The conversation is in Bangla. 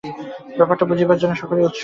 ব্যাপারটা বুঝিবার জন্য সকলেই উৎসুক।